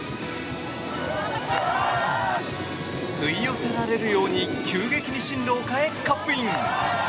吸い寄せられるように急激に進路を変え、カップイン。